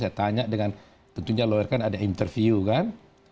saya tanya dengan tentunya lawyer kan ada interview kan